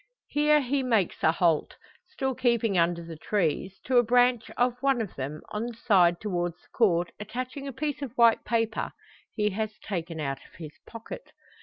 Here he makes a halt, still keeping under the trees; to a branch of one of them, on the side towards the Court attaching a piece of white paper, he has taken out of his pocket.